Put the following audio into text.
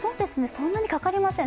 そんなにかかりません。